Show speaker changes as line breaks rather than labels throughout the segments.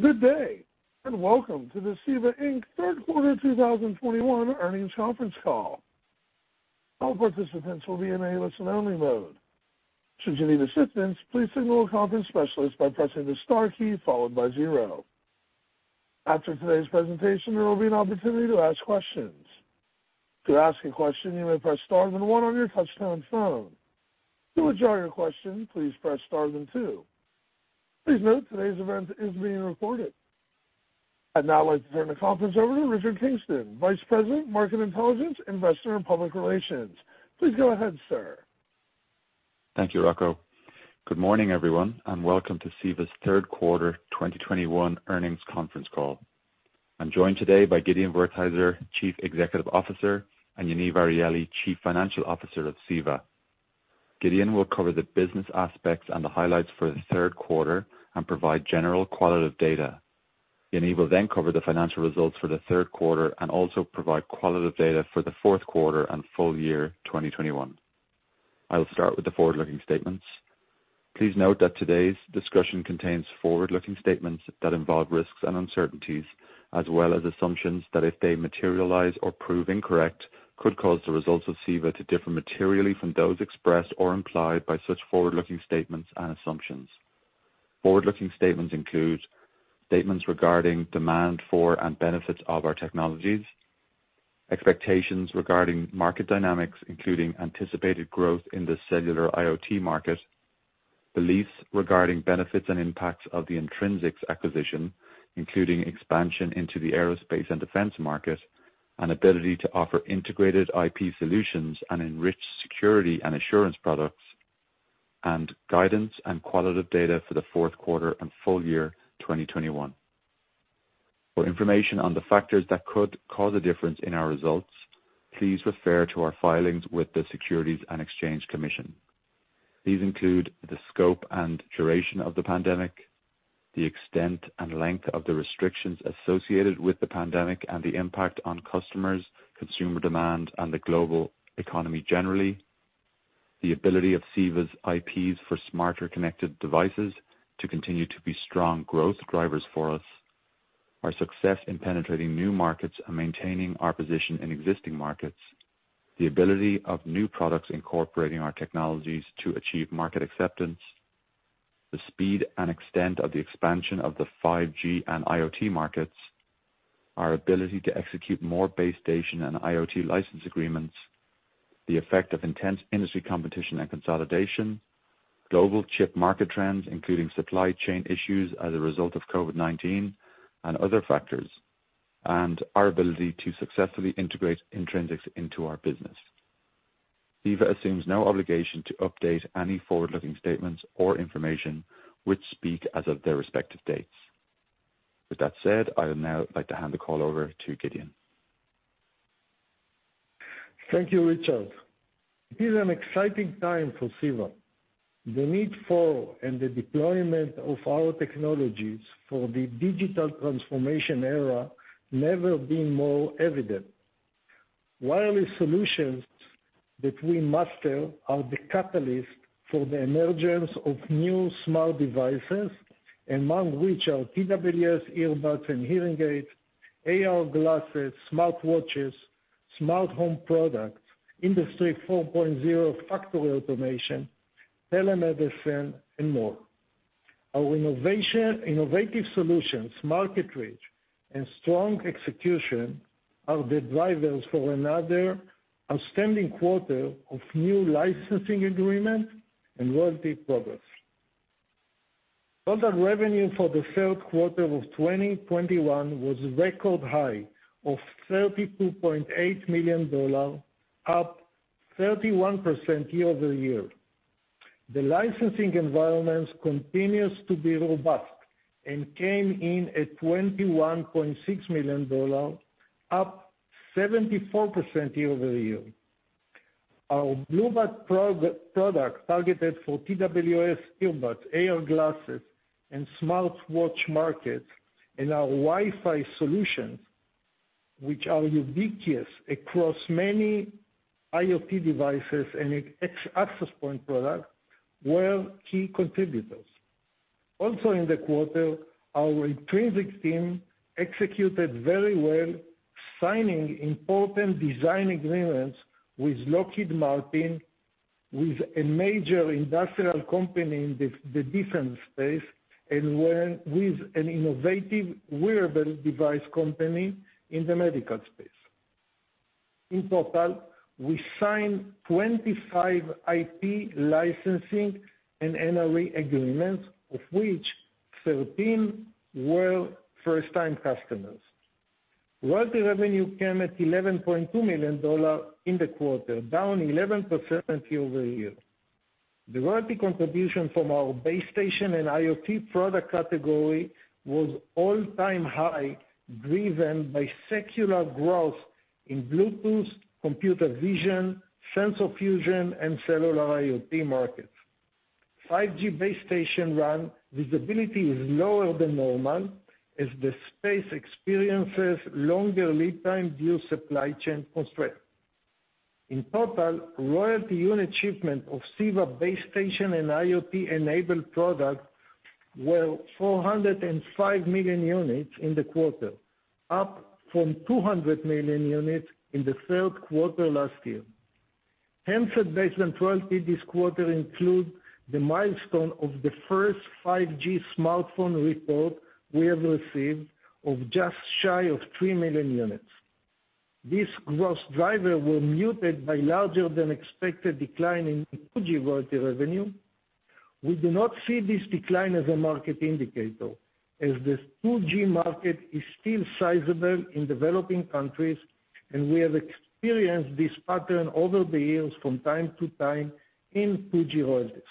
Good day, and welcome to the CEVA, Inc. Third Quarter 2021 Earnings Conference Call. All participants will be enabled to listen-only mode. Should you need assistance, please signal a conference specialist by pressing the star key followed by zero. After today's presentation, there will be an opportunity to ask questions. To ask a question, you may press star then one on your touch-tone phone. To withdraw your question, please press star then two. Please note today's event is being recorded. I'd now like to turn the conference over to Richard Kingston, Vice President, Market Intelligence, Investor and Public Relations. Please go ahead, sir.
Thank you, Rocco. Good morning, everyone, and welcome to CEVA's Third Quarter 2021 Earnings Conference Call. I'm joined today by Gideon Wertheizer, Chief Executive Officer, and Yaniv Arieli, Chief Financial Officer of CEVA. Gideon will cover the business aspects and the highlights for the third quarter and provide general qualitative data. Yaniv will then cover the financial results for the third quarter and also provide qualitative data for the fourth quarter and full year 2021. I'll start with the forward-looking statements. Please note that today's discussion contains forward-looking statements that involve risks and uncertainties as well as assumptions that if they materialize or prove incorrect, could cause the results of CEVA to differ materially from those expressed or implied by such forward-looking statements and assumptions. Forward-looking statements include statements regarding demand for and benefits of our technologies. Expectations regarding market dynamics, including anticipated growth in the cellular IoT market. Beliefs regarding benefits and impacts of the Intrinsix acquisition, including expansion into the aerospace and defense market, and ability to offer integrated IP solutions and enrich security and assurance products, and guidance and qualitative data for the fourth quarter and full year 2021. For information on the factors that could cause a difference in our results, please refer to our filings with the Securities and Exchange Commission. These include the scope and duration of the pandemic, the extent and length of the restrictions associated with the pandemic and the impact on customers, consumer demand, and the global economy generally. The ability of CEVA's IPs for smarter connected devices to continue to be strong growth drivers for us. Our success in penetrating new markets and maintaining our position in existing markets. The ability of new products incorporating our technologies to achieve market acceptance. The speed and extent of the expansion of the 5G and IoT markets. Our ability to execute more base station and IoT license agreements. The effect of intense industry competition and consolidation. Global chip market trends, including supply chain issues as a result of COVID-19 and other factors, and our ability to successfully integrate Intrinsix into our business. CEVA assumes no obligation to update any forward-looking statements or information which speak as of their respective dates. With that said, I would now like to hand the call over to Gideon.
Thank you, Richard. It is an exciting time for CEVA. The need for and the deployment of our technologies for the digital transformation era never been more evident. Wireless solutions that we master are the catalyst for the emergence of new smart devices, among which are TWS earbuds and hearing aids, AR glasses, smartwatches, smart home products, Industry 4.0 factory automation, telemedicine, and more. Our innovative solutions, market reach, and strong execution are the drivers for another outstanding quarter of new licensing agreement and royalty progress. Total revenue for the third quarter of 2021 was record high of $32.8 million, up 31% year-over-year. The licensing environment continues to be robust and came in at $21.6 million, up 74% year-over-year. Our Bluebud product, targeted for TWS earbuds, AR glasses, and smartwatch markets and our Wi-Fi solutions, which are ubiquitous across many IoT devices and ex-access point products, were key contributors. In the quarter, our Intrinsix team executed very well, signing important design agreements with Lockheed Martin, with a major industrial company in the defense space, and with an innovative wearable device company in the medical space. In total, we signed 25 IP licensing and NRE agreements, of which 13 were first-time customers. Royalty revenue came at $11.2 million in the quarter, down 11% year-over-year. The royalty contribution from our base station and IoT product category was all-time high, driven by secular growth in Bluetooth, computer vision, sensor fusion, and cellular IoT markets. 5G base station revenue visibility is lower than normal as the space experiences longer lead times due to supply chain constraints. In total, royalty unit shipments of CEVA-based base stations and IoT-enabled products were 405 million units in the quarter, up from 200 million units in the third quarter last year. Handset-based royalties this quarter included the milestone of the first 5G smartphone royalty report we have received of just shy of three million units. This growth driver was muted by larger than expected decline in 2G royalty revenue. We do not see this decline as a market indicator, as the 2G market is still sizable in developing countries, and we have experienced this pattern over the years from time to time in 2G royalties.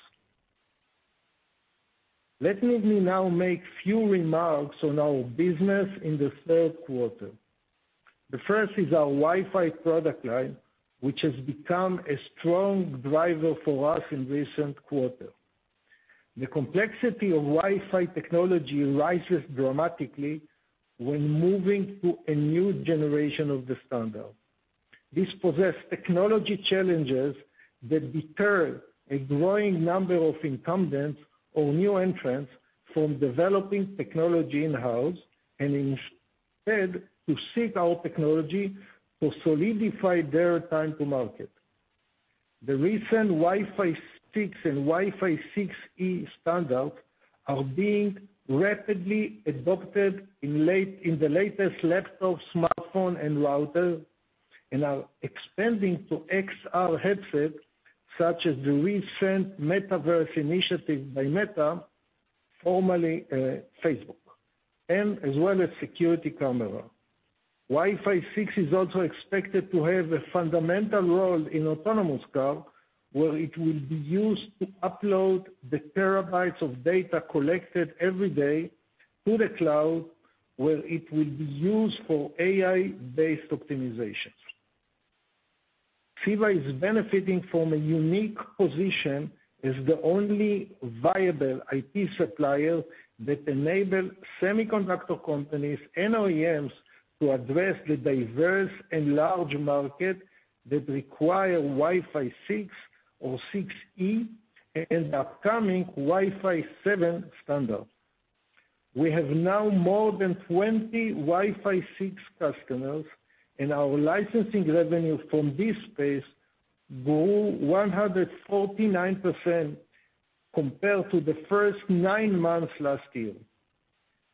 Let me now make a few remarks on our business in the third quarter. The first is our Wi-Fi product line, which has become a strong driver for us in recent quarter. The complexity of Wi-Fi technology rises dramatically when moving to a new generation of the standard. This poses technology challenges that deter a growing number of incumbents or new entrants from developing technology in-house and instead to seek our technology to solidify their time to market. The recent Wi-Fi six and Wi-Fi 6E standard are being rapidly adopted in the latest laptop, smartphone, and router, and are expanding to XR headsets such as the recent Metaverse initiative by Meta, formerly, Facebook, and as well as security camera. Wi-Fi six is also expected to have a fundamental role in autonomous car, where it will be used to upload the terabytes of data collected every day to the cloud, where it will be used for AI-based optimization. CEVA is benefiting from a unique position as the only viable IP supplier that enable semiconductor companies and OEMs to address the diverse and large market that require Wi-Fi six or 6E and upcoming Wi-Fi seven standard. We have now more than 20 Wi-Fi six customers, and our licensing revenue from this space grew 149% compared to the first nine months last year.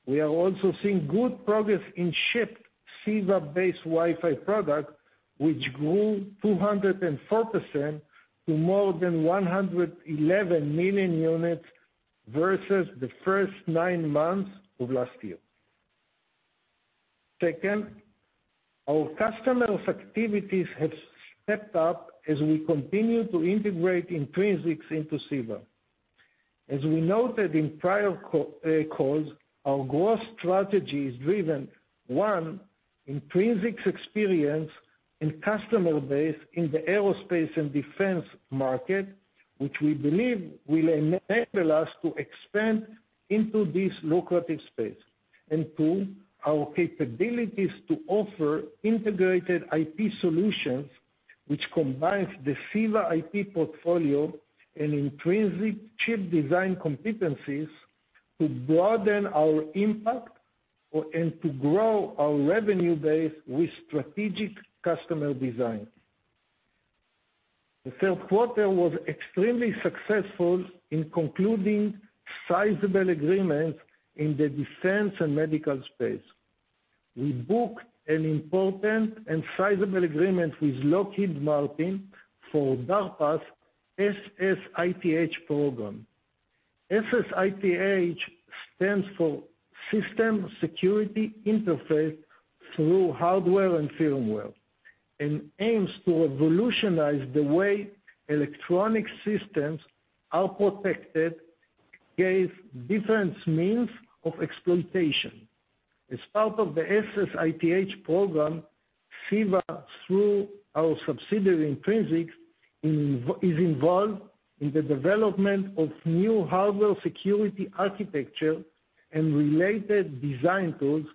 We are also seeing good progress in shipped CEVA-based Wi-Fi product, which grew 204% to more than 111 million units versus the first nine months of last year. Second, our customers activities have stepped up as we continue to integrate Intrinsix into CEVA. As we noted in prior calls, our growth strategy is driven, one, Intrinsix's experience and customer base in the aerospace and defense market, which we believe will enable us to expand into this lucrative space. Two, our capabilities to offer integrated IP solutions, which combines the CEVA IP portfolio and Intrinsix chip design competencies to broaden our impact and to grow our revenue base with strategic customer design. The third quarter was extremely successful in concluding sizable agreements in the defense and medical space. We booked an important and sizable agreement with Lockheed Martin for DARPA's SSITH program. SSITH stands for System Security Integration Through Hardware and Firmware and aims to revolutionize the way electronic systems are protected against different means of exploitation. As part of the SSITH program, CEVA, through our subsidiary, Intrinsix, is involved in the development of new hardware security architecture and related design tools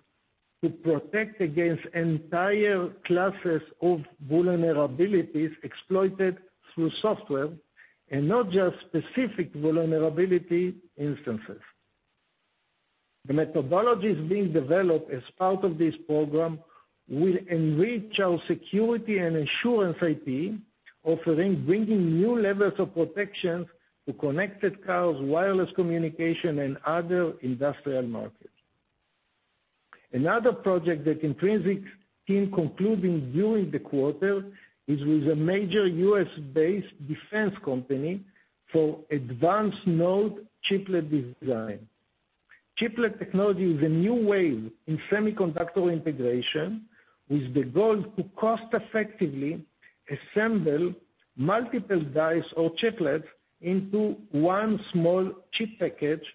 to protect against entire classes of vulnerabilities exploited through software and not just specific vulnerability instances. The methodologies being developed as part of this program will enrich our security and assurance IP offering, bringing new levels of protection to connected cars, wireless communication, and other industrial markets. Another project that Intrinsix team concluded during the quarter is with a major U.S.-based defense company for advanced node chiplet design. Chiplet technology is a new wave in semiconductor integration, with the goal to cost-effectively assemble multiple dies or chiplets into one small chip package,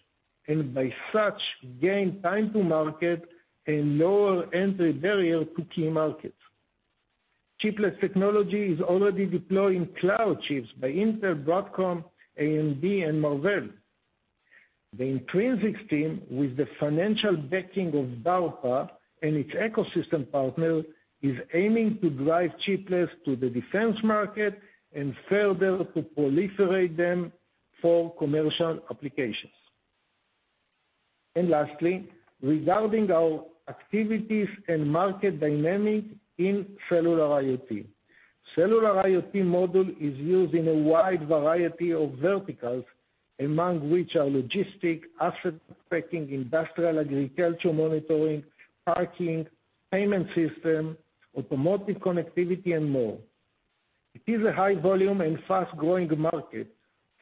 and by such, gain time to market and lower entry barrier to key markets. Chiplet technology is already deployed in cloud chips by Intel, Broadcom, AMD, and Marvell. The Intrinsix team, with the financial backing of DARPA and its ecosystem partner, is aiming to drive chiplets to the defense market and further to proliferate them for commercial applications. Lastly, regarding our activities and market dynamics in cellular IoT. The cellular IoT modem is used in a wide variety of verticals, among which are logistics, asset tracking, industrial agriculture monitoring, parking, payment system, automotive connectivity, and more. It is a high volume and fast-growing market,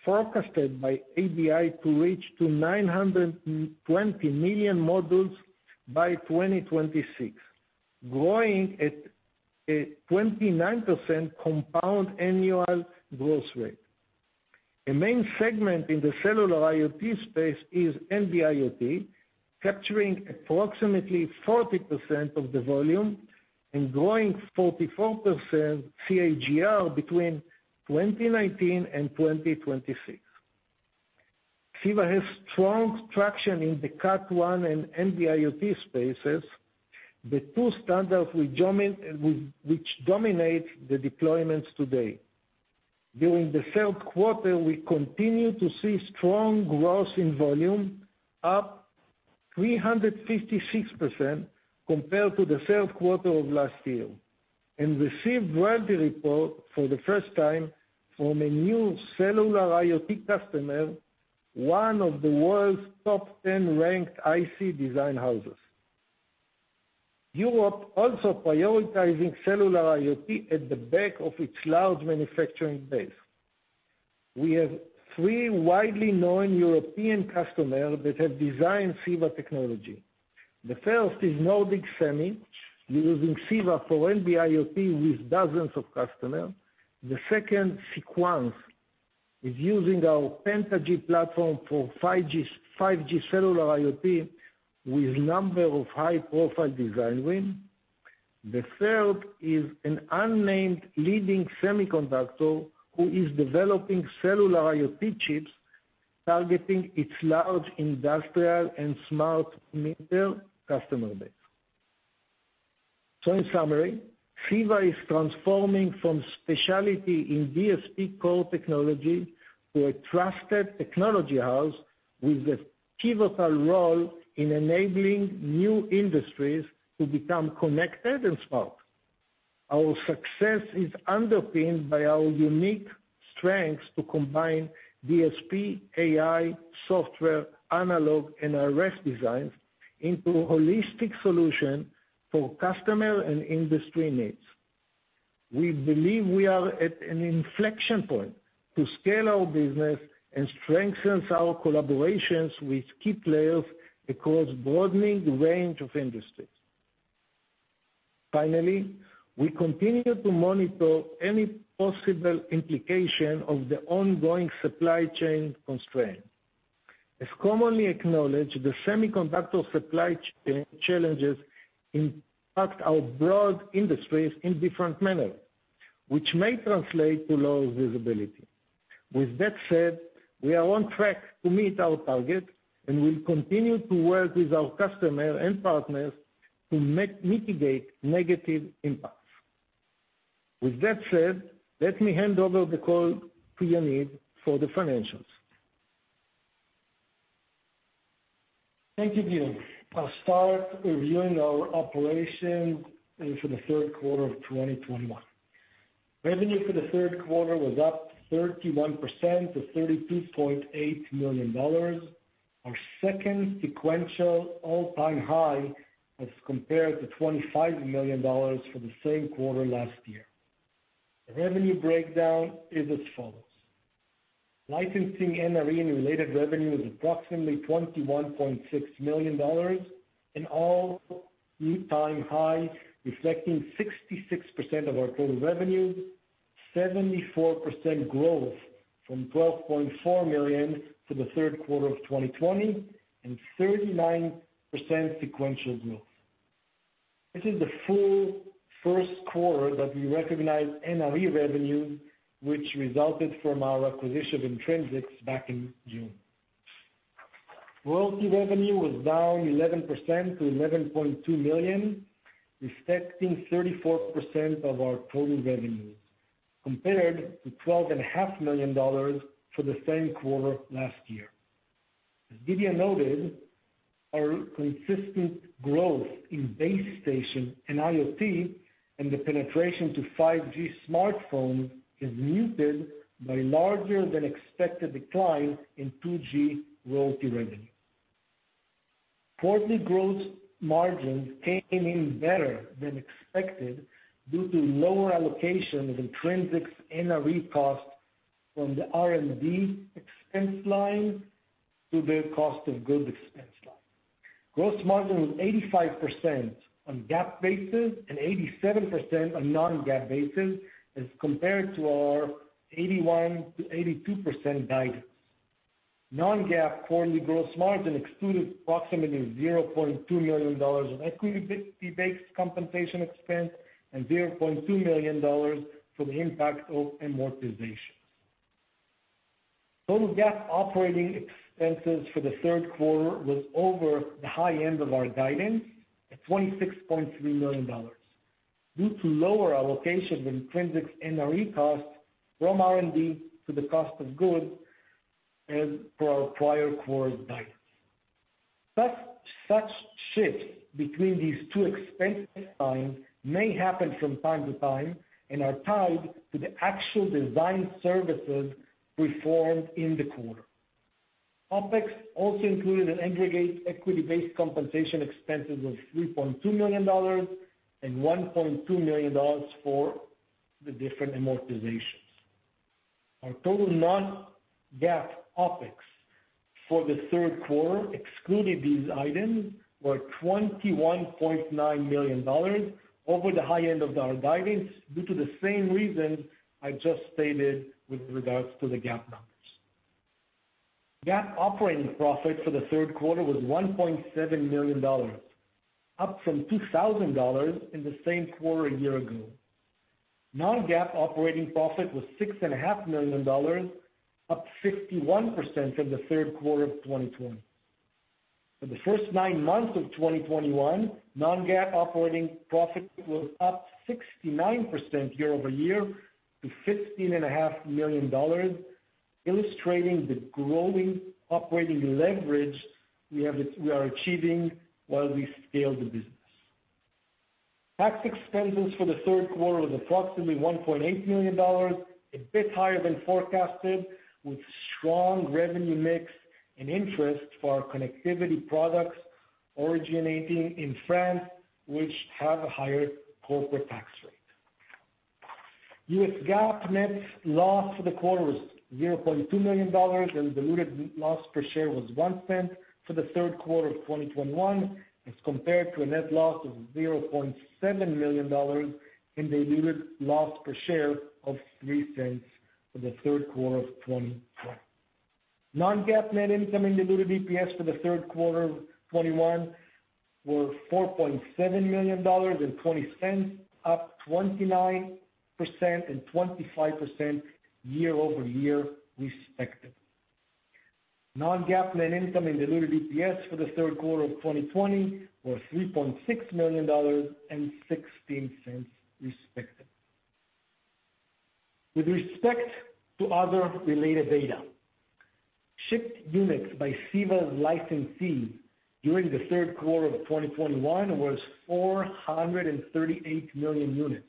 forecasted by ABI to reach 920 million modules by 2026, growing at a 29% compound annual growth rate. A main segment in the cellular IoT space is NB-IoT, capturing approximately 40% of the volume and growing 44% CAGR between 2019 and 2026. CEVA has strong traction in the Cat-1 and NB-IoT spaces. The two standards which dominate the deployments today. During the third quarter, we continue to see strong growth in volume, up 356% compared to the third quarter of last year, and received royalty report for the first time from a new cellular IoT customer, one of the world's top 10 ranked IC design houses. Europe is also prioritizing cellular IoT at the back of its large manufacturing base. We have three widely known European customers that have designed CEVA technology. The first is Nordic Semiconductor, using CEVA for NB-IoT with dozens of customers. The second, Sequans, is using our PentaG platform for 5G cellular IoT with a number of high-profile design wins. The third is an unnamed leading semiconductor who is developing cellular IoT chips targeting its large industrial and smart meter customer base. In summary, CEVA is transforming from specialty in DSP core technology to a trusted technology house with a pivotal role in enabling new industries to become connected and smart. Our success is underpinned by our unique strengths to combine DSP, AI, software, analog, and RF designs into holistic solution for customer and industry needs. We believe we are at an inflection point to scale our business and strengthens our collaborations with key players across broadening range of industries. Finally, we continue to monitor any possible implication of the ongoing supply chain constraint. As commonly acknowledged, the semiconductor supply challenges impact our broad industries in different manner, which may translate to lower visibility. With that said, we are on track to meet our targets, and we'll continue to work with our customer and partners to mitigate negative impacts. With that said, let me hand over the call to Yaniv for the financials.
Thank you, Gid. I'll start reviewing our operations for the third quarter of 2021. Revenue for the third quarter was up 31% to $32.8 million. Our second sequential all-time high as compared to $25 million for the same quarter last year. The revenue breakdown is as follows: Licensing NRE and related revenue is approximately $21.6 million, an all-time high, reflecting 66% of our total revenue, 74% growth from $12.4 million for the third quarter of 2020, and 39% sequential growth. This is the full first quarter that we recognize NRE revenue, which resulted from our acquisition of Intrinsix back in June. Royalty revenue was down 11% to $11.2 million, reflecting 34% of our total revenue, compared to $12.5 million for the same quarter last year. As Gideon noted, our consistent growth in base station and IoT and the penetration to 5G smartphone is muted by larger than expected decline in 2G royalty revenue. Quarterly gross margins came in better than expected due to lower allocation of Intrinsix's NRE cost from the R&D expense line to the cost of goods expense line. Gross margin was 85% on GAAP basis and 87% on non-GAAP basis as compared to our 81%-82% guidance. Non-GAAP quarterly gross margin excluded approximately $0.2 million of equity-based compensation expense and $0.2 million for the impact of amortization. Total GAAP operating expenses for the third quarter was over the high end of our guidance at $26.3 million due to lower allocation of Intrinsix NRE costs from R&D to the cost of goods as per our prior quarter guidance. Such shifts between these two expense lines may happen from time to time and are tied to the actual design services performed in the quarter. OpEx also included an aggregate equity-based compensation expenses of $3.2 million and $1.2 million for the different amortizations. Our total non-GAAP OpEx for the third quarter, excluding these items, was $21.9 million, over the high end of our guidance due to the same reason I just stated with regards to the GAAP numbers. GAAP operating profit for the third quarter was $1.7 million, up from $2,000 in the same quarter a year ago. Non-GAAP operating profit was $6.5 million, up 61% from the third quarter of 2020. For the first nine months of 2021, non-GAAP operating profit was up 69% year over year to $15.5 million, illustrating the growing operating leverage we are achieving while we scale the business. Tax expenses for the third quarter was approximately $1.8 million, a bit higher than forecasted, with strong revenue mix and interest for our connectivity products originating in France, which have a higher corporate tax rate. U.S. GAAP net loss for the quarter was $0.2 million, and diluted loss per share was $0.01 for the third quarter of 2021, as compared to a net loss of $0.7 million and diluted loss per share of $0.03 for the third quarter of 2020. Non-GAAP net income and diluted EPS for the third quarter of 2021 were $4.7 million and $0.20, up 29% and 25% year-over-year respective. Non-GAAP net income and diluted EPS for the third quarter of 2020 were $3.6 million and $0.16, respectively. With respect to other related data, shipped units by CEVA's licensees during the third quarter of 2021 was 438 million units,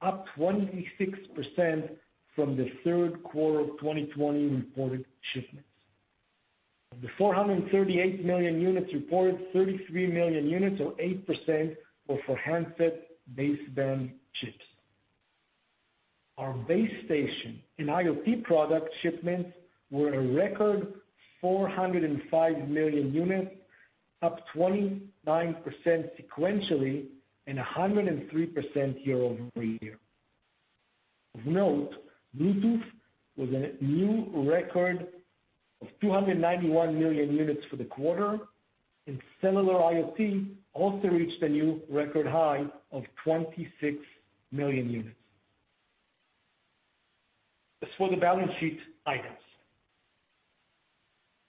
up 26% from the third quarter of 2020 reported shipments. Of the 438 million units reported, 33 million units or 8% were for handset baseband chips. Our base station and IoT product shipments were a record 405 million units, up 29% sequentially and 103% year-over-year. Of note, Bluetooth was a new record of 291 million units for the quarter, and similar IoT also reached a new record high of 26 million units. As for the balance sheet items,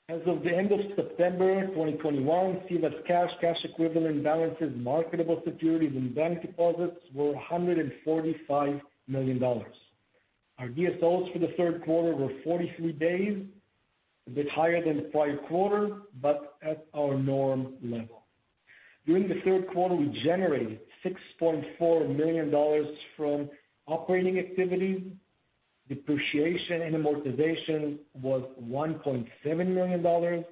as of the end of September 2021, CEVA's cash equivalent balances, marketable securities and bank deposits were $145 million. Our DSOs for the third quarter were 43 days, a bit higher than the prior quarter, but at our norm level. During the third quarter, we generated $6.4 million from operating activity. Depreciation and amortization was $1.7 million,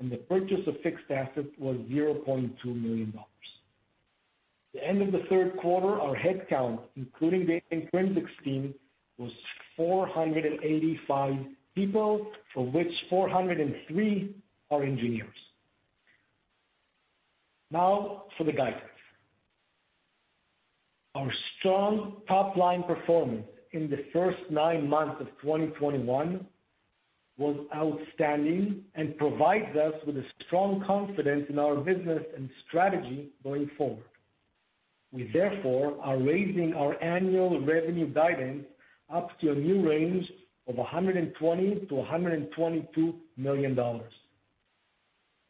and the purchase of fixed assets was $0.2 million. At the end of the third quarter, our headcount, including the Intrinsix team, was 485 people, from which 403 are engineers. Now, for the guidance. Our strong top-line performance in the first nine months of 2021 was outstanding and provides us with a strong confidence in our business and strategy going forward. We therefore are raising our annual revenue guidance up to a new range of $120 million-$122 million. Our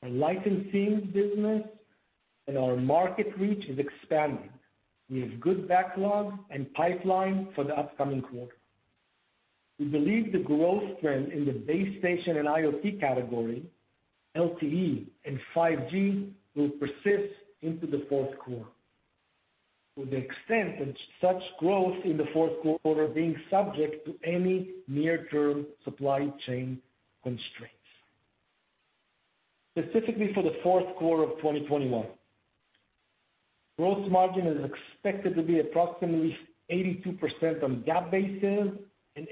licensing business and our market reach is expanding. We have good backlog and pipeline for the upcoming quarter. We believe the growth trend in the base station and IoT category, LTE and 5G, will persist into the fourth quarter to the extent that such growth in the fourth quarter is subject to any near-term supply chain constraints. Specifically for the fourth quarter of 2021, gross margin is expected to be approximately 82% on GAAP basis and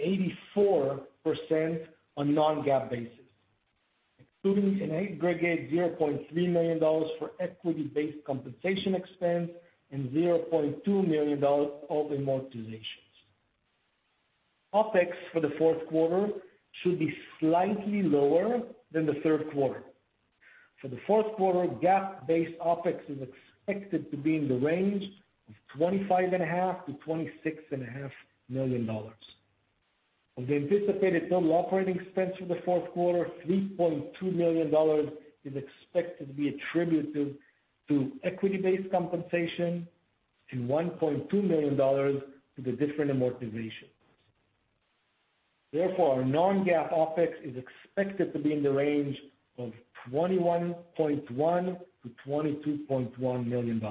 84% on non-GAAP basis, excluding an aggregate $0.3 million for equity-based compensation expense and $0.2 million of amortizations. OpEx for the fourth quarter should be slightly lower than the third quarter. For the fourth quarter, GAAP-based OpEx is expected to be in the range of $25.5 million To $26.5 million dollars. Of the anticipated total operating expense for the fourth quarter, $3.2 million is expected to be attributed to equity-based compensation and $1.2 million to the different amortizations. Therefore, our non-GAAP OpEx is expected to be in the range of $21.1 million-$22.1 million.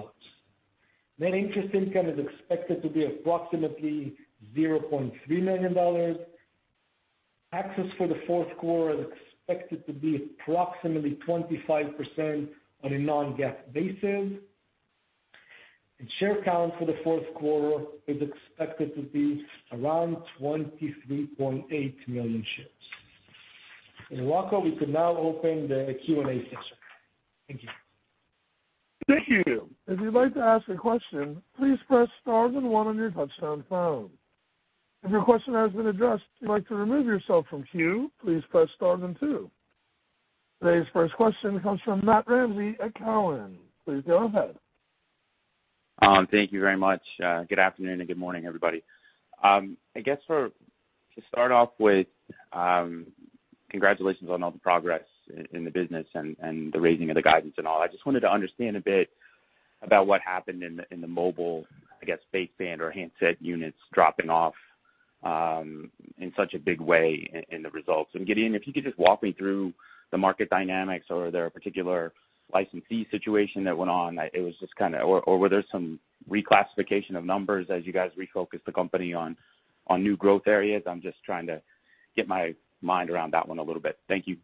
Net interest income is expected to be approximately $0.3 million. Taxes for the fourth quarter is expected to be approximately 25% on a non-GAAP basis. Share count for the fourth quarter is expected to be around 23.8 million shares. With that, we can now open the Q&A session. Thank you.
Thank you. If you'd like to ask a question, please press star then one on your touch-tone phone. If your question has been addressed, if you'd like to remove yourself from queue, please press star then two. Today's first question comes from Matt Ramsay at Cowen. Please go ahead.
Thank you very much. Good afternoon and good morning, everybody. I guess to start off with, congratulations on all the progress in the business and the raising of the guidance and all. I just wanted to understand a bit about what happened in the mobile, I guess, baseband or handset units dropping off in such a big way in the results. Gideon, if you could just walk me through the market dynamics. Or are there a particular licensee situation that went on? It was just kinda. Or were there some reclassification of numbers as you guys refocused the company on new growth areas? I'm just trying to get my mind around that one a little bit. Thank you.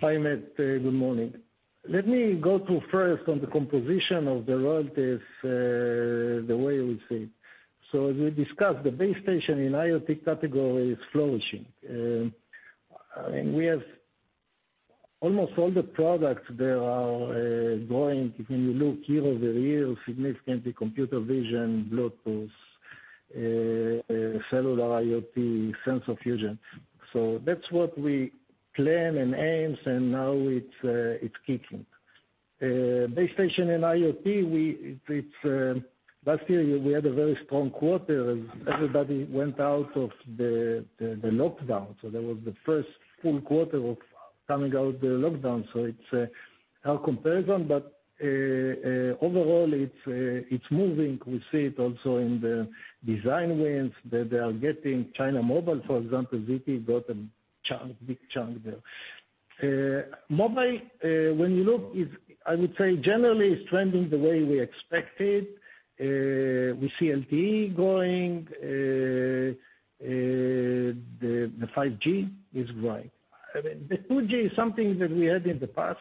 Hi, Matt, good morning. Let me go through first on the composition of the royalties, the way I would say. As we discussed, the BaseStation and IoT category is flourishing. We have almost all the products there are growing. If you look year-over-year, significantly computer vision, Bluetooth, cellular IoT, sensor fusion. That's what we plan and aims, and now it's kicking. BaseStation and IoT, it's last year we had a very strong quarter as everybody went out of the lockdown. That was the first full quarter of coming out of the lockdown. It's our comparison, but overall it's moving. We see it also in the design wins that they are getting. China Mobile, for example, ZTE got a chunk, big chunk there. Mobile, when you look, I would say, generally is trending the way we expected. We see LTE growing, the 5G is growing. I mean, the 2G is something that we had in the past.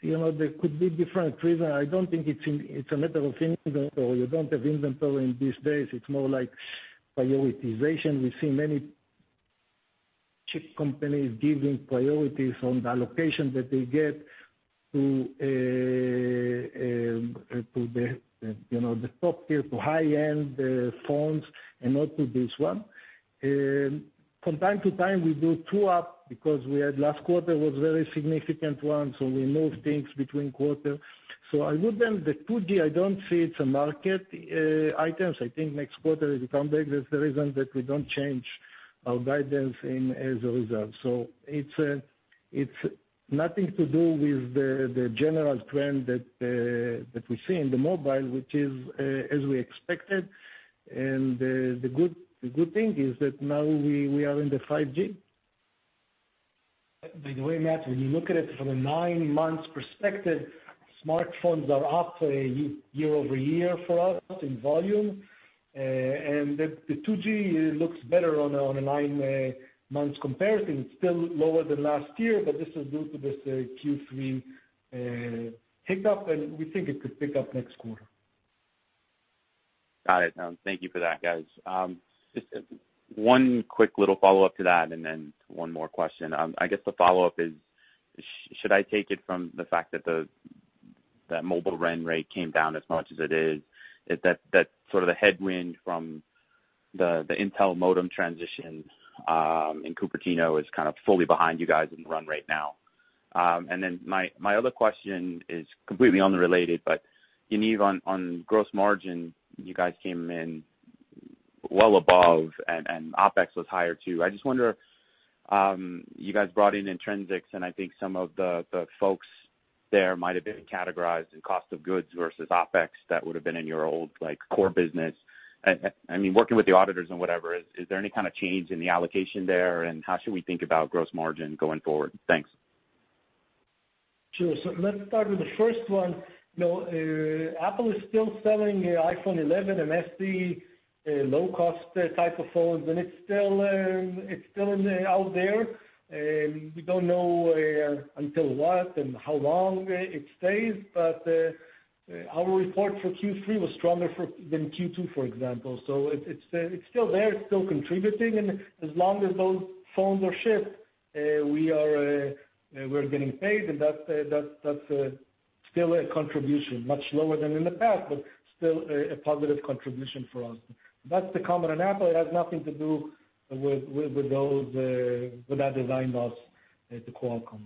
You know, there could be different reason. I don't think it's a matter of inventory. You don't have inventory in these days. It's more like prioritization. We see many chip companies giving priorities on the allocation that they get to the top tier, to high-end phones and not to this one. From time to time, we do true-up because last quarter was very significant one, so we move things between quarter. I would then, the 2G, I don't see it as a market item. I think next quarter it will come back. That's the reason that we don't change our guidance as a result. It's nothing to do with the general trend that we see in the mobile, which is as we expected. The good thing is that now we are in the 5G.
By the way, Matt, when you look at it from a nine months perspective, smartphones are up year-over-year for us in volume. The 2G looks better on a nine months comparison. It's still lower than last year, but this is due to this Q3 hiccup, and we think it could pick up next quarter.
Got it. Thank you for that, guys. Just one quick little follow-up to that, and then one more question. I guess the follow-up is should I take it from the fact that the mobile RAN rate came down as much as it is that sort of the headwind from the Intel modem transition in Cupertino is kind of fully behind you guys in the run rate now? And then my other question is completely unrelated, but Yaniv, on gross margin, you guys came in well above and OpEx was higher too. I just wonder, you guys brought in Intrinsix, and I think some of the folks there might have been categorized in cost of goods versus OpEx that would have been in your old, like, core business. I mean, working with the auditors and whatever, is there any kind of change in the allocation there? How should we think about gross margin going forward? Thanks.
Sure. Let's start with the first one. You know, Apple is still selling iPhone 11 and SE, low-cost type of phones, and it's still out there. We don't know until what and how long it stays. Our report for Q3 was stronger than Q2, for example. It's still there, it's still contributing. As long as those phones are shipped, we're getting paid, and that's still a contribution, much lower than in the past, but still a positive contribution for us. That's common in Apple. It has nothing to do with that design loss at Qualcomm.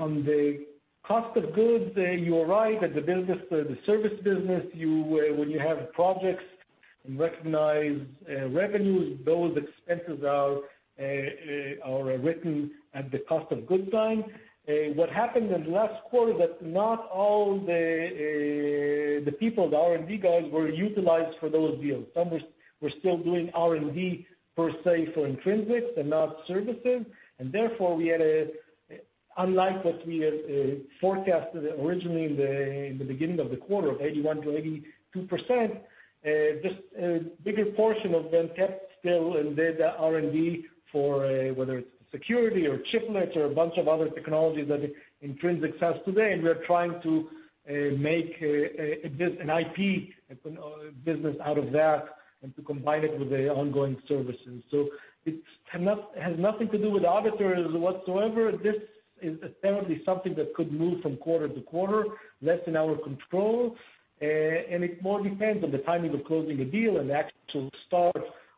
On the cost of goods, you are right. At the business, the service business, you, when you have projects and recognize revenues, those expenses are written at the cost of goods line. What happened in the last quarter that not all the people, the R&D guys were utilized for those deals. Some were still doing R&D per se for Intrinsix and not services, and therefore we had a, unlike what we had forecasted originally in the beginning of the quarter of 81%-82%, just a bigger portion of them kept still and did R&D for whether it's security or chiplets or a bunch of other technologies that Intrinsix has today. We are trying to make this an IP, you know, business out of that and to combine it with the ongoing services. It's not, has nothing to do with auditors whatsoever. This is apparently something that could move from quarter to quarter, less in our control. It more depends on the timing of closing the deal and the actual start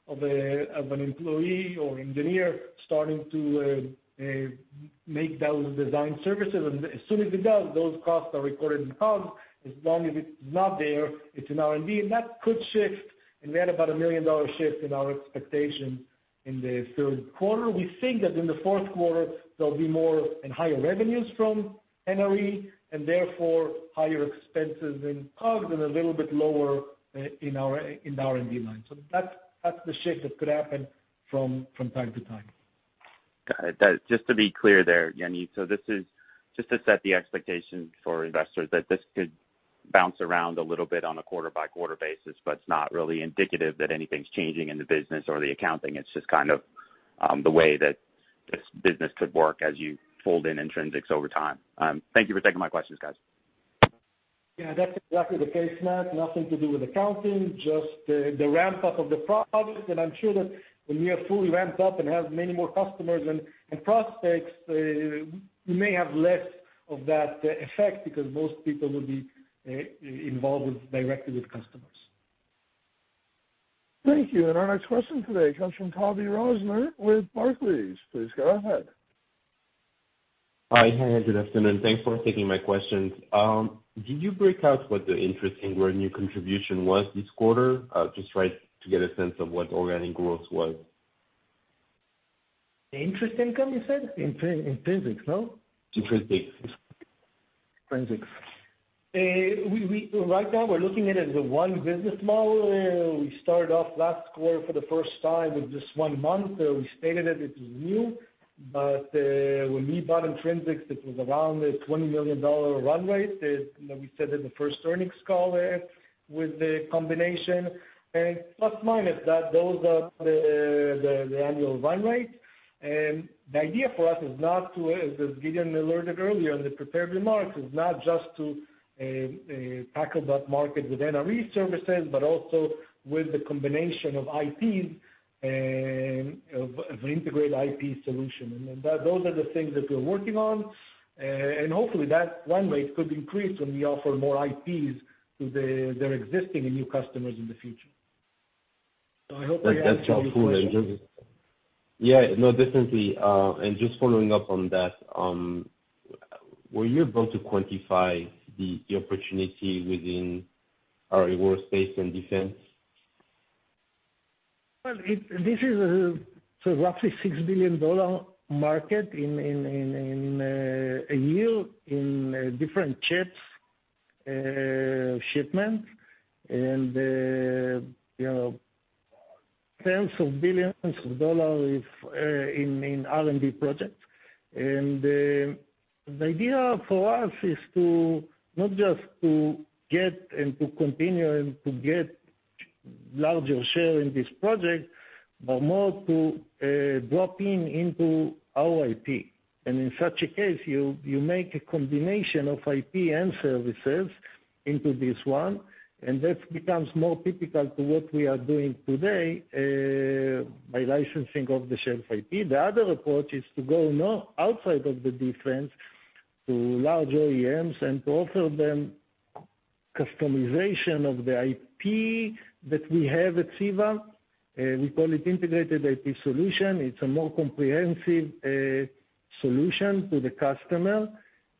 of an employee or engineer starting to make those design services. As soon as it does, those costs are recorded in COGS. As long as it's not there, it's in R&D, that could shift, we had about a $1 million shift in our expectation in the third quarter. We think that in the fourth quarter there'll be more and higher revenues from NRE, therefore higher expenses in COGS and a little bit lower in the R&D line. That's the shift that could happen from time to time.
Got it. Just to be clear there, Yaniv, this is just to set the expectation for investors that this could bounce around a little bit on a quarter-by-quarter basis, but it's not really indicative that anything's changing in the business or the accounting. It's just kind of the way that this business could work as you fold in Intrinsix over time. Thank you for taking my questions, guys.
Yeah, that's exactly the case, Matt. Nothing to do with accounting, just the ramp up of the product. I'm sure that when we are fully ramped up and have many more customers and prospects, we may have less of that effect because most people will be involved directly with customers.
Thank you. Our next question today comes from Tavy Rosner with Barclays. Please go ahead.
Hi. Hey, good afternoon. Thanks for taking my questions. Did you break out what the interest in where new contribution was this quarter? Just like to get a sense of what organic growth was.
The Interest income, you said?
Intrinsix, no?
Intrinsix.
Intrinsix. Right now we're looking at it as one business model. We started off last quarter for the first time with just one month. We stated it was new. When we bought Intrinsix, it was around a $20 million run rate, as you know, we said in the first earnings call with the combination. Plus minus that, those are the annual run rate. The idea for us, as Gideon alerted earlier in the prepared remarks, is not just to tackle that market with NRE services, but also with the combination of IPs of an integrated IP solution. Those are the things that we're working on. Hopefully that run rate could increase when we offer more IPs to their existing and new customers in the future. I hope I answered your question.
That's helpful. Just... Yeah. No, definitely. Just following up on that, were you able to quantify the opportunity within aerospace and defense?
This is a roughly $6 billion market in a year in different chips shipments and you know, tens of billions of dollars in R&D projects. The idea for us is to not just get and continue to get larger share in this project, but more to drop in into our IP. In such a case, you make a combination of IP and services into this one, and that becomes more typical to what we are doing today by licensing off-the-shelf IP. The other approach is to go now outside of the defense to large OEMs and to offer them customization of the IP that we have at CEVA. We call it integrated IP solution. It's a more comprehensive solution to the customer,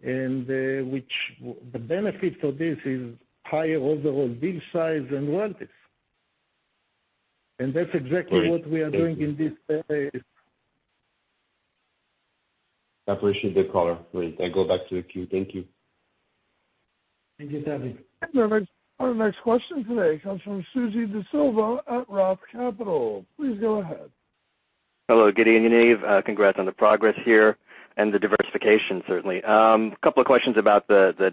and the benefit of this is higher overall deal size and margins. That's exactly-
Great. Thank you.
What we are doing in this space.
I appreciate the color. Great. I go back to the queue. Thank you.
Thank you, Tavy.
Thank you very much. Our next question today comes from Suji Desilva at Roth Capital. Please go ahead.
Hello, Gideon, Yaniv. Congrats on the progress here and the diversification certainly. A couple of questions about the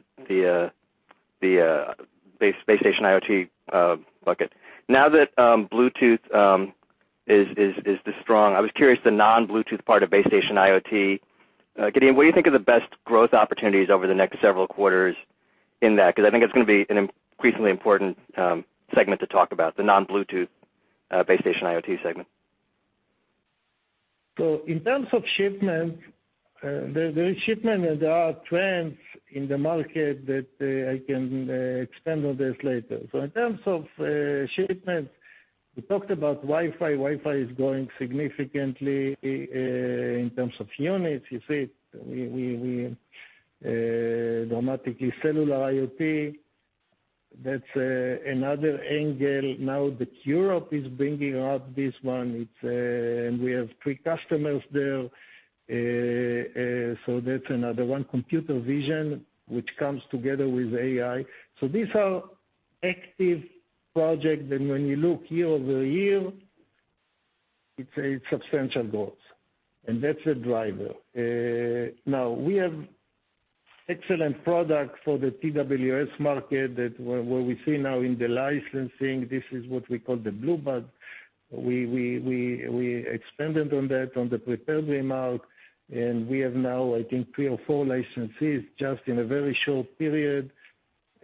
base station IoT bucket. Now that Bluetooth is this strong, I was curious the non-Bluetooth part of base station IoT. Gideon, what do you think are the best growth opportunities over the next several quarters in that? Because I think it's gonna be an increasingly important segment to talk about, the non-Bluetooth base station IoT segment.
In terms of shipment, the shipment and there are trends in the market that I can expand on later. In terms of shipment, we talked about Wi-Fi. Wi-Fi is growing significantly in terms of units. You see, we dramatically cellular IoT. That's another angle now that Europe is bringing up this one. It's, and we have three customers there. That's another one. Computer vision, which comes together with AI. These are active projects. When you look year-over-year, it's a substantial growth, and that's a driver. We have excellent products for the TWS market that, where we see now in the licensing, this is what we call the Bluebud. We expanded on that on the prepared remark, and we have now, I think, three or four licensees just in a very short period.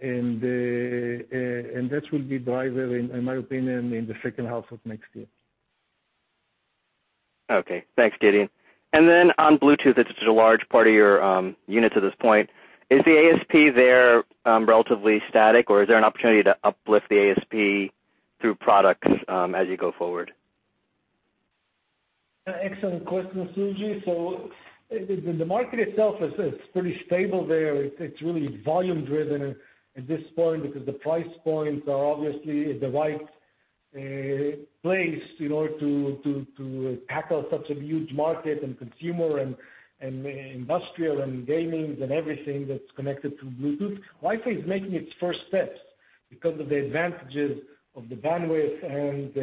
That will be driver in my opinion in the second half of next year.
Okay. Thanks, Gideon. On Bluetooth, it's just a large part of your unit to this point. Is the ASP there relatively static, or is there an opportunity to uplift the ASP through products as you go forward?
Excellent question, Suji. The market itself is pretty stable there. It's really volume driven at this point because the price points are obviously the right place, you know, to tackle such a huge market and consumer and industrial and gaming and everything that's connected to Bluetooth. Wi-Fi is making its first steps because of the advantages of the bandwidth and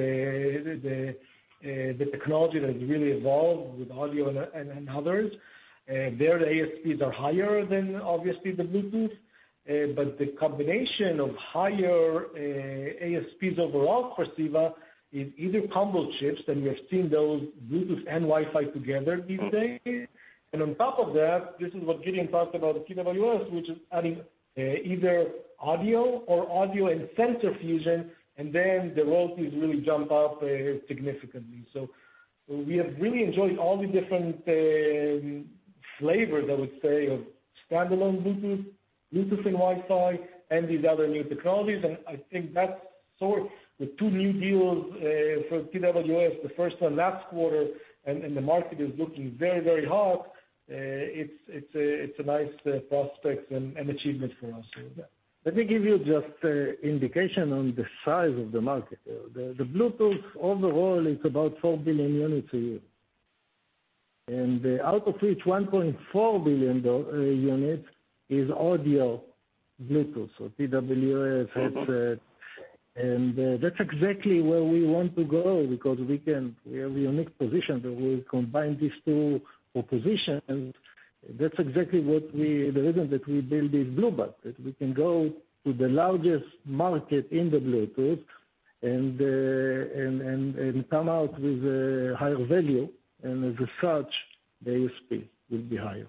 the technology that has really evolved with audio and others. Their ASPs are higher than obviously the Bluetooth. The combination of higher ASPs overall for CEVA is either combo chips, and we are seeing those Bluetooth and Wi-Fi together these days. On top of that, this is what Gideon talked about TWS, which is adding either audio or audio and sensor fusion, and then the royalties really jump up significantly. We have really enjoyed all the different flavors, I would say, of standalone Bluetooth and Wi-Fi, and these other new technologies. I think that sort with two new deals for TWS, the first one last quarter, and the market is looking very, very hot. It's a nice prospect and achievement for us, so yeah. Let me give you just an indication on the size of the market. The Bluetooth overall is about four billion units a year. Out of which 1.4 billion units are audio Bluetooth, so TWS headsets. That's exactly where we want to go because we have a unique position that will combine these two positions. That's exactly the reason that we build this Bluebud, that we can go to the largest market in the Bluetooth and come out with a higher value, and as such, the ASP will be higher.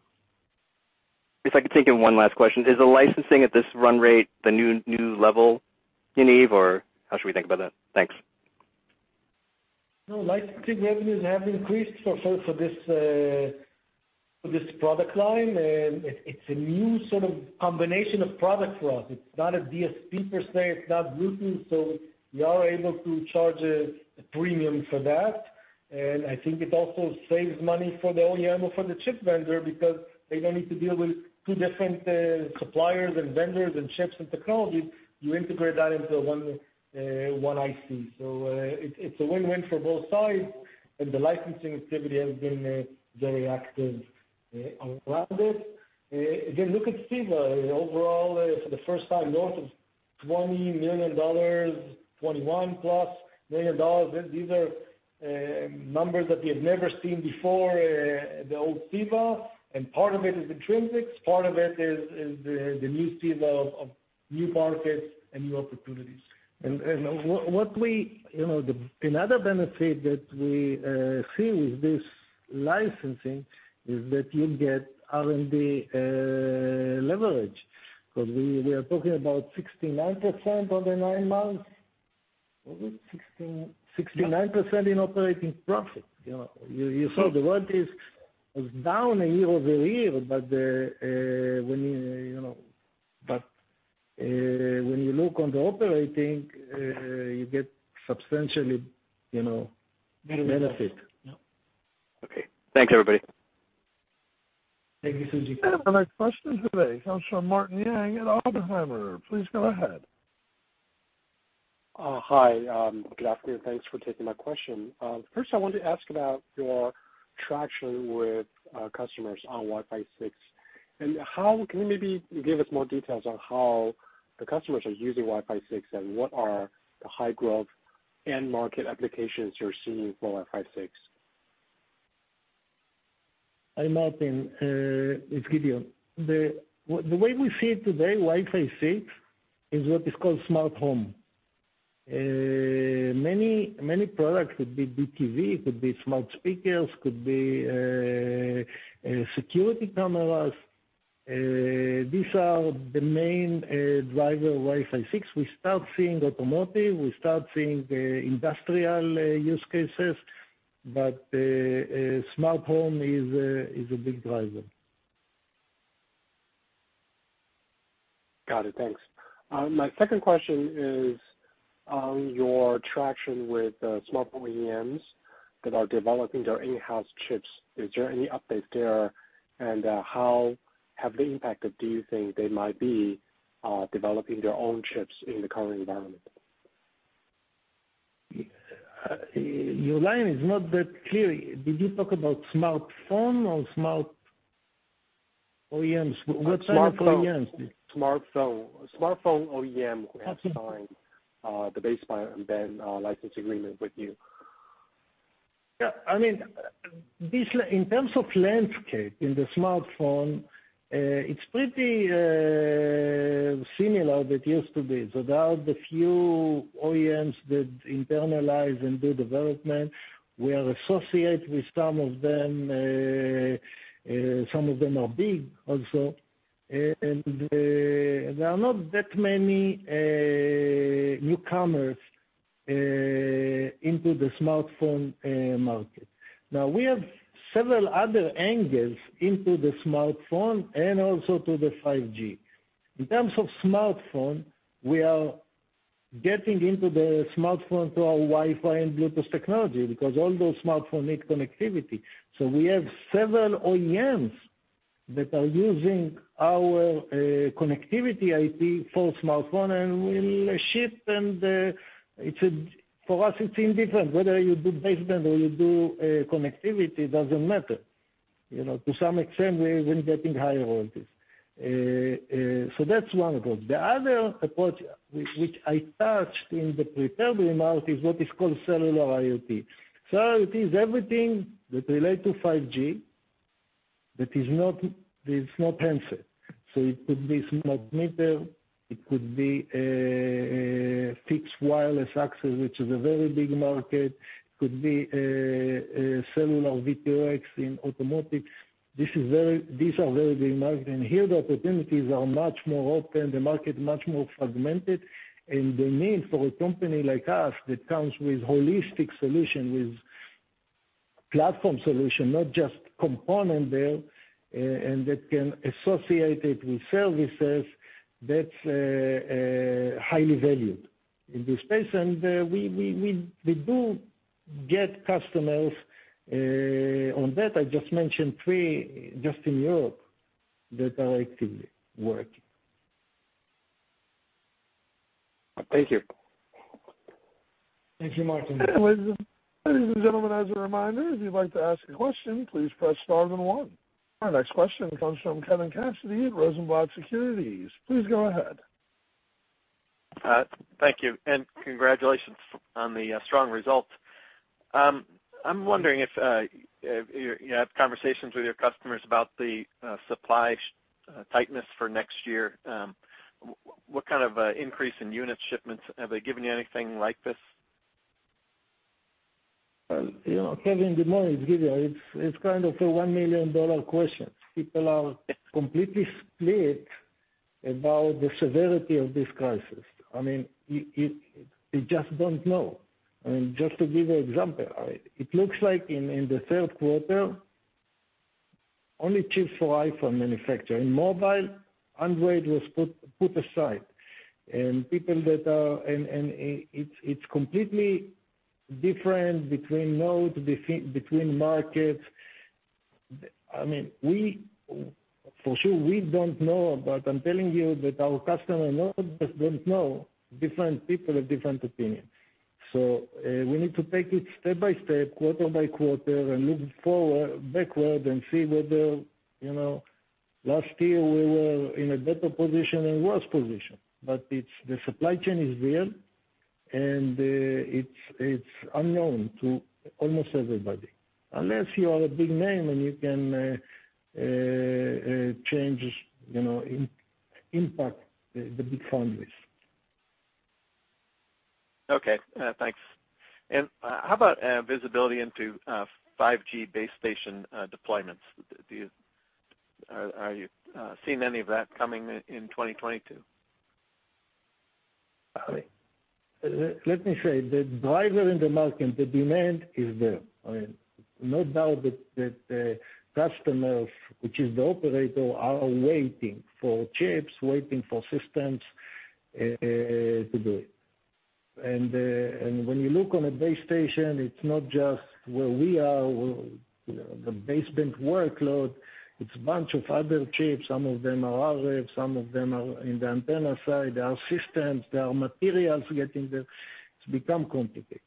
If I could take in one last question. Is the licensing at this run rate the new level, Yaniv, or how should we think about that? Thanks.
No. Licensing revenues have increased for this product line. It's a new sort of combination of products for us. It's not a DSP per se, it's not Bluetooth, so we are able to charge a premium for that. I think it also saves money for the OEM or for the chip vendor because they don't need to deal with two different suppliers and vendors and chips and technology. You integrate that into one IC. It's a win-win for both sides, and the licensing activity has been very active around it. Again, look at CEVA. Overall, for the first time, north of $20 million, $21 million+. These are numbers that we have never seen before, the old CEVA. Part of it is Intrinsix, part of it is the new CEVA of new markets and new opportunities.
Another benefit that we see with this licensing is that you get R&D leverage. Because we are talking about 69% over nine months. 69% in operating profit. You know, you saw the world is down year-over-year. When you look on the operating, you get substantially benefit. Yep.
Okay. Thanks, everybody.
Thank you, Suji.
Our next question today comes from Martin Yang at Oppenheimer. Please go ahead.
Hi. Good afternoon. Thanks for taking my question. First I wanted to ask about your traction with customers on Wi-Fi six. Can you maybe give us more details on how the customers are using Wi-Fi six and what are the high growth end market applications you're seeing for Wi-Fi six?
Hi, Martin. It's Gideon. The way we see it today, Wi-Fi six is what is called smart home. Many products could be DTV, could be smart speakers, could be security cameras. These are the main driver Wi-Fi six. We start seeing automotive. We start seeing the industrial use cases, but smartphone is a big driver.
Got it. Thanks. My second question is on your traction with smartphone OEMs that are developing their in-house chips. Is there any update there? Do you think they might be developing their own chips in the current environment?
Your line is not that clear. Did you talk about smartphone or smart OEMs? What type of OEMs?
Smartphone OEM who have signed the baseline and then license agreement with you.
I mean, in terms of the landscape in the smartphone, it's pretty similar to what used to be. There are a few OEMs that internalize and do development. We are associated with some of them. Some of them are big also, and there are not that many newcomers into the smartphone market. Now, we have several other angles into the smartphone and also to the 5G. In terms of smartphone, we are getting into the smartphone through our Wi-Fi and Bluetooth technology because all those smartphones need connectivity. We have several OEMs that are using our connectivity IP for smartphone and will ship, and for us, it's indifferent. Whether you do baseband or you do connectivity, doesn't matter. You know, to some extent, we're even getting higher royalties. So that's one approach. The other approach, which I touched in the prepared remarks, is what is called cellular IoT. It is everything that relate to 5G that is not handset. It could be smart meter. It could be a fixed wireless access, which is a very big market. It could be a cellular V2X in automotive. These are very big market. Here, the opportunities are much more open, the market much more fragmented, and the need for a company like us that comes with holistic solution, with platform solution, not just component there, and that can associate it with services, that's highly valued in this space. We do get customers on that. I just mentioned three just in Europe that are actively working.
Thank you.
Thank you, Martin.
Ladies and gentlemen, as a reminder, if you'd like to ask a question, please press star then one. Our next question comes from Kevin Cassidy at Rosenblatt Securities. Please go ahead.
Thank you, and congratulations on the strong result. I'm wondering if you have conversations with your customers about the supply tightness for next year. What kind of increase in unit shipments have they given you anything like this?
You know, Kevin, good morning. It's Gideon. It's kind of a $1 million question. People are completely split about the severity of this crisis. I mean, we just don't know. I mean, just to give an example, it looks like in the third quarter, only chips for iPhone manufacture. In mobile, Android was put aside. People that are, it's completely different between node, between markets. I mean, we for sure, we don't know, but I'm telling you that our customer not just don't know. Different people have different opinions. We need to take it step by step, quarter by quarter, and look forward, backward and see whether, you know, last year we were in a better position or worse position. It's the supply chain is real, and it's unknown to almost everybody, unless you are a big name and you can change, you know, impact the big foundries.
Okay, thanks. How about visibility into 5G base station deployments? Are you seeing any of that coming in 2022?
I mean, let me say, the driver in the market, the demand is there. I mean, no doubt that customers, which is the operator, are waiting for chips, waiting for systems to do it. When you look on a base station, it's not just where we are, you know, the baseband workload. It's a bunch of other chips. Some of them are RFs, some of them are in the antenna side. There are systems, there are materials getting there. It's become complicated.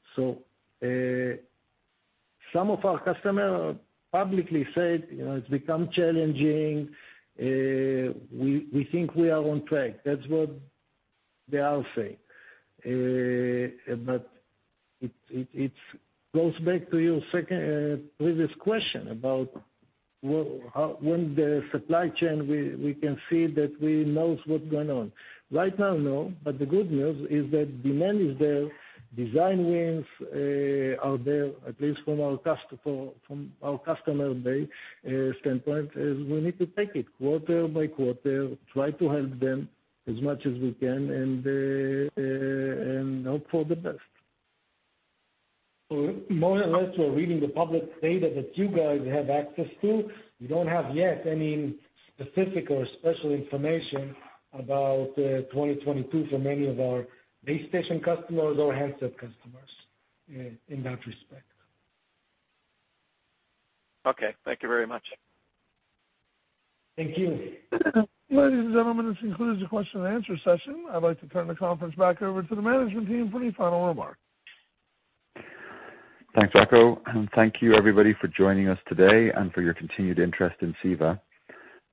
Some of our customers publicly said, you know, it's become challenging. We think we are on track. That's what they all say. But it goes back to your second previous question about how, when the supply chain we can see that we know what's going on. Right now, no, but the good news is that demand is there. Design wins are there, at least from our customer base standpoint. So we need to take it quarter by quarter, try to help them as much as we can, and hope for the best. More or less, we're reading the public data that you guys have access to. We don't have yet any specific or special information about 2022 for many of our base station customers or handset customers in that respect.
Okay, thank you very much.
Thank you.
Ladies and gentlemen, this concludes the question and answer session. I'd like to turn the conference back over to the management team for any final remarks.
Thanks, Rocco, and thank you everybody for joining us today and for your continued interest in CEVA.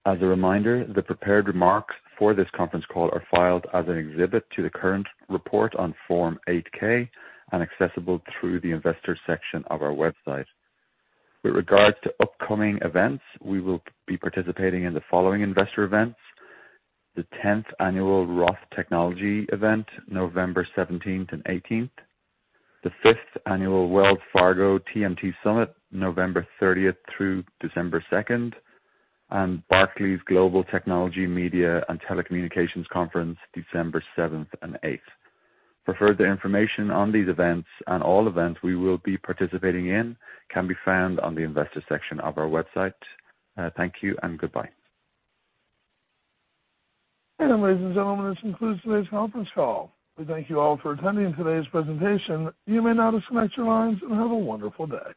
As a reminder, the prepared remarks for this conference call are filed as an exhibit to the current report on Form 8-K and accessible through the investor section of our website. With regards to upcoming events, we will be participating in the following investor events: the 10th annual Roth Technology event, November 17th and 18th; the 5th Annual Wells Fargo TMT Summit, November 30th through December 2nd; and Barclays Global Technology Media and Telecommunications Conference, December 7th and 8th. For further information on these events and all events we will be participating in, can be found on the investor section of our website. Thank you and goodbye.
Ladies and gentlemen, this concludes today's conference call. We thank you all for attending today's presentation. You may now disconnect your lines and have a wonderful day.